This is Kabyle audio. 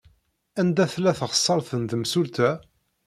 Anda tella teɣsert n temsulta?